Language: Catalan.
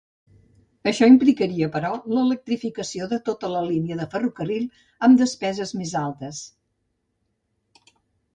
Això implicaria, però, l'electrificació de tota la línia de ferrocarril, amb despeses més altes.